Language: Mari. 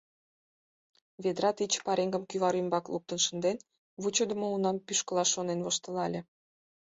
Ведра тич пареҥгым кӱвар ӱмбак луктын шынден, вучыдымо унам пӱшкылаш шонен воштылале: